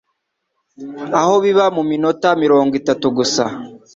aho biba mu minota mirongo itatu gusa